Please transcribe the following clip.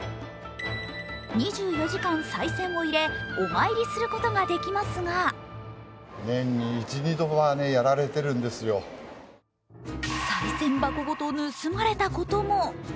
２４時間さい銭を入れお参りすることができますがさい銭箱ごと盗まれたことも。